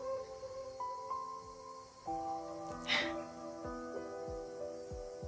フフ。